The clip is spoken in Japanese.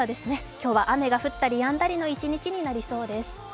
今日は雨が降ったりやんだりの一日になりそうです。